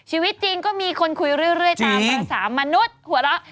ชีวิตจริงก็มีคนคุยเรื่อยตามภาษามนุษย์หัวเราะ